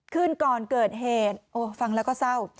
คืนก่อนเกิดเหตุโอ้ฟังแล้วก็เศร้า